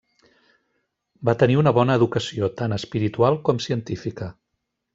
Va tenir una bona educació tant espiritual com científica.